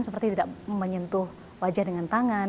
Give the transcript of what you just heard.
seperti tidak menyentuh wajah dengan tangan